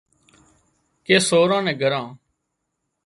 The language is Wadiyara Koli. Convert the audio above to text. ڪي سوران نين ڳران